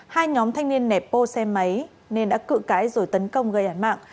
hai nhóm thanh niên nẹp bô xe máy nên đã cự cái rồi tấn công gây ảnh mạng